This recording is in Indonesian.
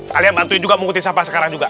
kalian bantuin juga mengikuti sampah sekarang juga